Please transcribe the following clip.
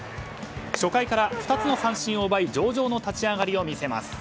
初回から２つの三振を奪い上々の立ち上がりを見せます。